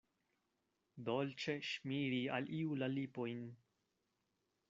Dolĉe ŝmiri al iu la lipojn.